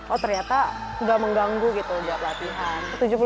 oh ternyata nggak mengganggu gitu buat latihan